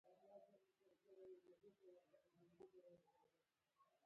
د مجرمانو او ورانکارانو کړنې نه تلو.